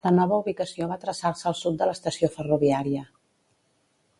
La nova ubicació va traçar-se al sud de l'estació ferroviària.